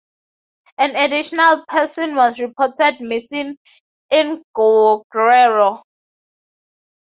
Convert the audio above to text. An additional person was reported missing in Guerrero.